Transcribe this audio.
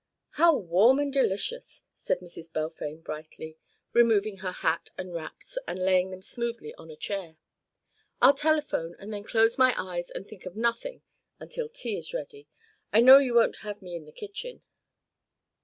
"How warm and delicious," said Mrs. Balfame brightly, removing her hat and wraps and laying them smoothly on a chair. "I'll telephone and then close my eyes and think of nothing until tea is ready I know you won't have me in the kitchen.